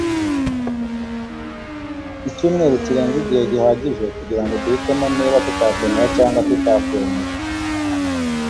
icyumweru kirenze igihe gihagije kugirango duhitemo niba tutakwemera cyangwa tutakwemera